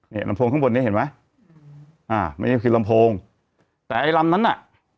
นี่ลำโพงข้างบนนี้เห็นไหมอ่าไม่ใช่คือลำโพงแต่ไอ้ลำนั้นน่ะ